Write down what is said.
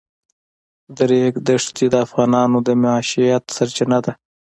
د ریګ دښتې د افغانانو د معیشت سرچینه ده.